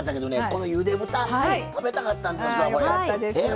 このゆで豚食べたかったんですわ。